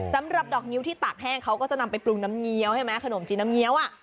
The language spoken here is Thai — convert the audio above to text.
สำหรับดอกนิ้วที่ตากแห้งเขาก็จะนำไปปรุงน้ำเงี้ยวใช่ไหมขนมจีนน้ำเงี้ยวอ่ะ